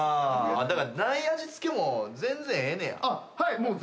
だからない味付けも全然ええねや。